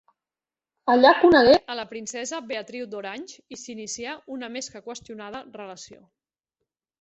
Allà conegué a la princesa Beatriu d'Orange i s'inicià una més que qüestionada relació.